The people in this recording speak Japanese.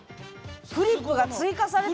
フリップが追加された！